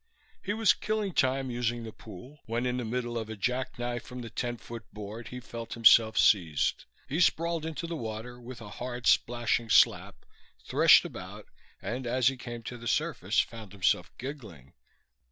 He was killing time using the pool when, in the middle of a jacknife from the ten foot board, he felt himself seized. He sprawled into the water with a hard splashing slap, threshed about and, as he came to the surface, found himself giggling.